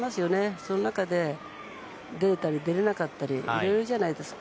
その中で出れたり、出れなかったりいろいろじゃないですか。